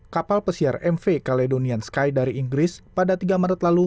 kapal pesiar mv caledonian sky dari inggris pada tiga maret lalu